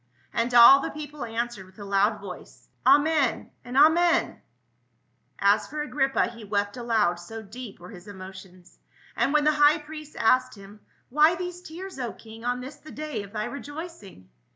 And all the people answered with a loud voice, "Amen, and Amen !" As for Agrippa, he wept aloud so deep were his emotions ; and when the high priest asked him, " Why these tears, O king, on this the day of thy re joicing?"